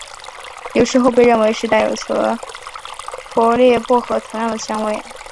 它有时候被认为是带有和普列薄荷同样香味。